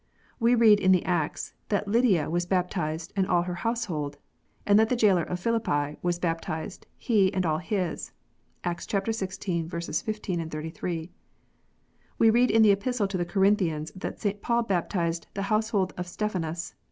We read in the Acts that Lydia was bap tized u and her household," and that the jailer of Philippi "was baptized: he and all his." (Acts xvi. 15, 33.) We read in the Epistle to the Corinthians that St. Paul baptized "the household of Stephanas."